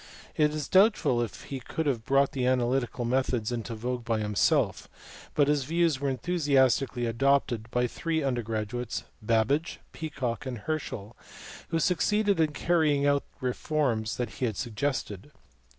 It is doubtful if he could have brought the analytical methods into vogue by himself ; but his views were enthusi astically adopted by three undergraduates, Babbage, Peacock, and Herschel, who succeeded in carrying out the reforms he had suggested.